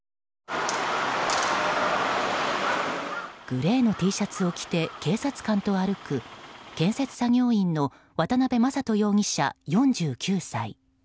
グレーのＴシャツを着て警察官と歩く建設作業員の渡辺正人容疑者、４９歳。